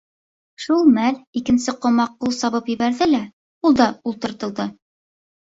Шул мәл икенсе ҡомаҡ ҡул сабып ебәрҙе лә, ул да ултыртылды.